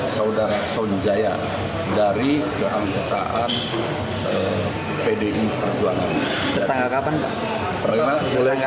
kemudian ada yang tanya barangkali apakah akan diberikan bantuan hukum dan lain sebagainya